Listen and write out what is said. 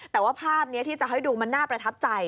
แต่ว่าภาพนี้ที่จะให้ดูมันน่าประทับใจ